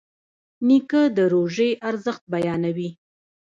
نیکه د روژې ارزښت بیانوي.